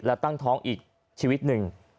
และตั้งท้องอีกชีวิตหนึ่ง